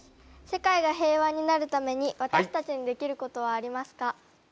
世界が平和になるために私たちにできることはありますか？